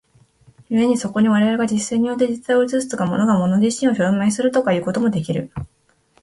故にそこに我々が実践によって実在を映すとか、物が物自身を証明するとかいうこともできる。